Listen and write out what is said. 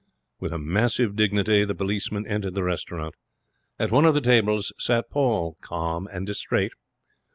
With massive dignity the policeman entered the restaurant. At one of the tables sat Paul, calm and distrait.